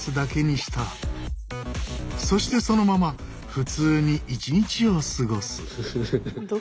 そしてそのまま普通に一日を過ごす。